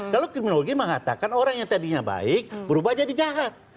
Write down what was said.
kalau kriminologi mengatakan orang yang tadinya baik berubah jadi jahat